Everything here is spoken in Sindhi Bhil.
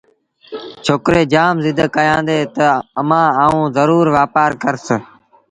ڇوڪري جآم زد ڪيآݩدي تا امآݩ آئوݩ زرور وآپآر ڪرس